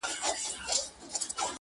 • که حساب دی,